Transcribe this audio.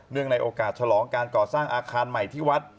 ในโอกาสฉลองการก่อสร้างอาคารใหม่ที่วัด